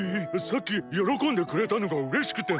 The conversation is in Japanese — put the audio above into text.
さっきよろこんでくれたのがうれしくて。